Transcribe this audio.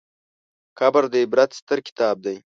قبر د عبرت ستر کتاب دی.